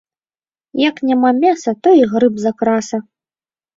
Як няма мяса, то і грыб закраса